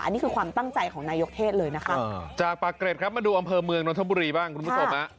อันนี้คือความตั้งใจของนายกเทศเลยนะคะจากปากเกร็ดครับมาดูอำเภอเมืองนทบุรีบ้างคุณผู้ชมฮะ